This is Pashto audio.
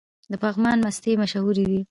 د پګمان مستې مشهورې دي؟